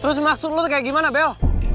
terus maksud lo kayak gimana bel